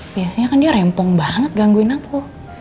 biasanya kan dia rempong banget gangguin aku